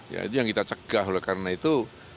ya itu yang kita cegah oleh karena itu